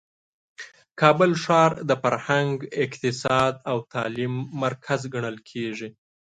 کابل ښار د فرهنګ، اقتصاد او تعلیم مرکز ګڼل کیږي.